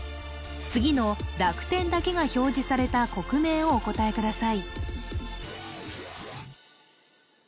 次の濁点だけが表示された国名をお答えください